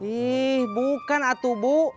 ih bukan atu bu